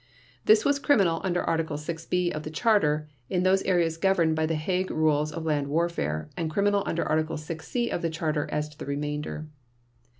This was criminal under Article 6 (b) of the Charter in those areas governed by the Hague Rules of Land Warfare and criminal under Article 6 (c) of the Charter as to the remainder.